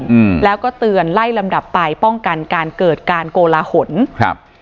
อืมแล้วก็เตือนไล่ลำดับไปป้องกันการเกิดการโกลาหลครับ